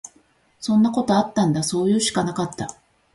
そんなことあったんだ。そういうしかなかった。